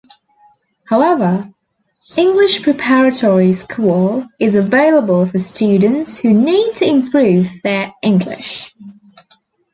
However, English Preparatory School is available for students who need to improve their English.